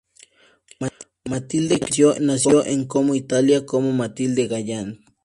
Mathilde Krim, nació en Como, Italia, como Mathilde Galland.